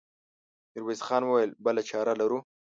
ميرويس خان وويل: بله چاره لرو؟